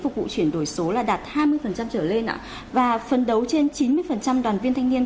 phục vụ chuyển đổi số là đạt hai mươi trở lên ạ và phân đấu trên chín mươi đoàn viên thanh niên